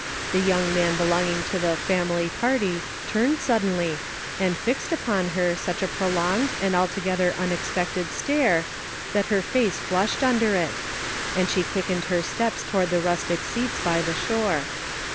The young man belonging to the "family party" turned suddenly, and fixed upon 334 "THAT BEATS ME ! her such a prolonged and altogether unexpected stare, that her face flushed under it, and she quick ened her steps toward the rustic seats by the shore.